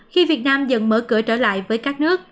khi việt nam dần mở cửa trở lại với các nước